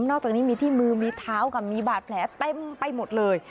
อกจากนี้มีที่มือมีเท้ากับมีบาดแผลเต็มไปหมดเลย